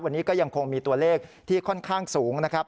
วันนี้ก็ยังคงมีตัวเลขที่ค่อนข้างสูงนะครับ